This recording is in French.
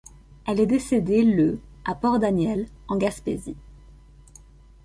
Elle est décédée le à Port-Daniel, en Gaspésie.